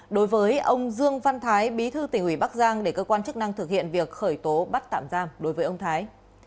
đối với ông dương văn thái bí thư tỉnh ủy bắc giang để cơ quan chức năng thực hiện việc khởi tố bắt tạm giam đối với ông thái